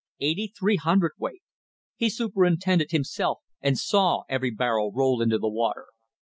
Eighty three hundredweight! He superintended himself, and saw every barrel roll into the water.